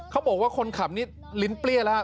เค้าบอกว่าคนขับนี้ลิ้นเปรี้ยล่ะ